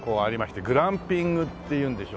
グランピングっていうんでしょうかね。